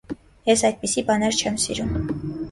- Ես այդպիսի բաներ չեմ սիրում: